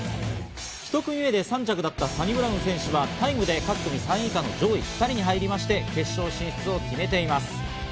１組目で３着だったサニブラウン選手はタイムで各組３位以下の上位２人に入りまして決勝進出を決めています。